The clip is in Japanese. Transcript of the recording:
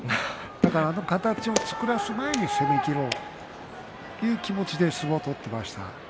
だから、あの形を作らせる前に攻めきろうという気持ちで相撲を取っていました。